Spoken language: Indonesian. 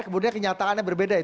kemudian kenyataannya berbeda